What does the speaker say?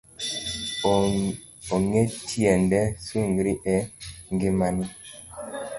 Ong'e tiende sungri e ng'imani